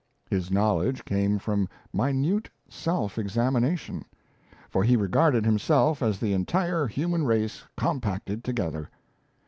His knowledge came from minute self examination for he regarded himself as the entire human race compacted together.